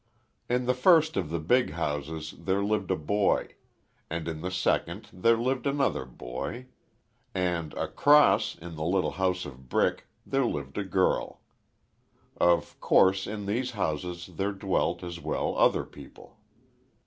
In the first of the big houses there lived a boy; and in the second there lived another boy; and across, in the little house of brick, there lived a girl. Of course, in these houses there dwelt, as well, other people.